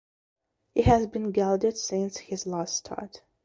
He has been gelded since his last start.